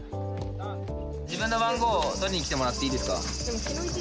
自分の番号を取りに来てもらっていいですか？